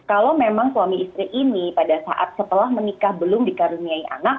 kalau memang suami istri ini pada saat setelah menikah belum dikaruniai anak